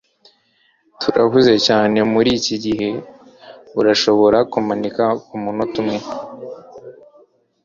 Turahuze cyane muriki gihe. Urashobora kumanika kumunota umwe?